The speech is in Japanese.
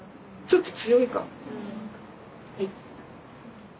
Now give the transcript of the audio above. ちょっと強いかも。